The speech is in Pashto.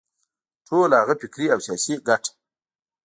ټوله هغه فکري او سیاسي ګټه.